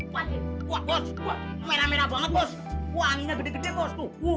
wah anginnya gede gede bos